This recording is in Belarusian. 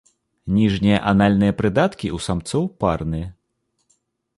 Ніжнія анальныя прыдаткі ў самцоў парныя.